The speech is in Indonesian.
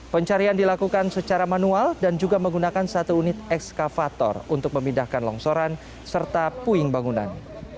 pencarian dilakukan secara manual dan juga menggunakan satu unit ekskavator untuk memindahkan longsoran serta puing bangunan